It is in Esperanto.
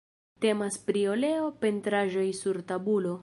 Temas pri oleo-pentraĵoj sur tabulo.